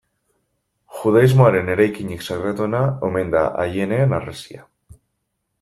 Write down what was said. Judaismoaren eraikinik sakratuena omen da Aieneen Harresia.